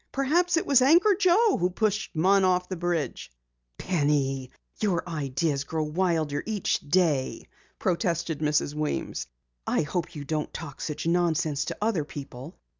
Perhaps it was Anchor Joe who pushed Munn off the bridge!" "Penny, your ideas grow wilder each day," protested Mrs. Weems. "I hope you don't talk such nonsense to other people."